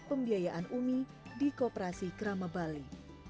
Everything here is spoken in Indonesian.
pembiayaan umi di kooperasi krama bali